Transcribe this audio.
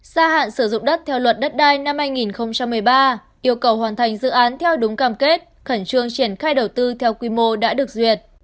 gia hạn sử dụng đất theo luật đất đai năm hai nghìn một mươi ba yêu cầu hoàn thành dự án theo đúng cam kết khẩn trương triển khai đầu tư theo quy mô đã được duyệt